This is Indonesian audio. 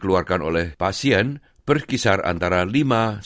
menurut leukemia foundation kanker darah adalah salah satu cleaning ab video